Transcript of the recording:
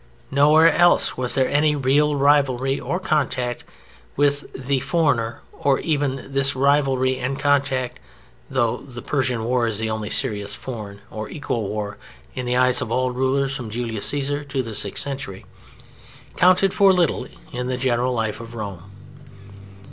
Nowhere else was there any real rivalry or contact with the foreigner, and even this rivalry and contact (though "The Persian War" is the only serious foreign or equal war in the eyes of all the rulers from Julius Cæsar to the sixth century) counted for little in the general life of Rome.